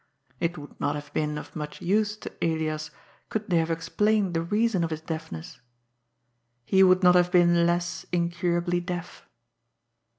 It would not have been of much use to Elias could they have explained the reason of his deafness. He would not have been less incurably deaf.